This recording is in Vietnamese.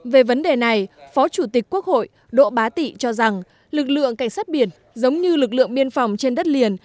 về vấn đề này phó chủ tịch quốc hội đỗ bá tị cho rằng lực lượng cảnh sát biển giống như lực lượng biên phòng trên đất liền